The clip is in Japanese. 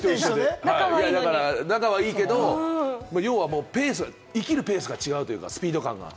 仲はいいけれども、要は生きるペースが違う、スピード感が。